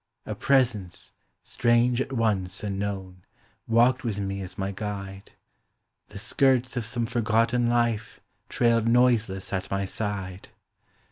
A presence, strange at once and known, Walked with me as my guide; The skirts of some forgotten life Trailed noiseless at my side.